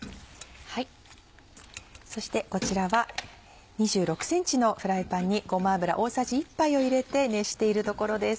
そしてこちらは２６ｃｍのフライパンにごま油大さじ１杯を入れて熱しているところです。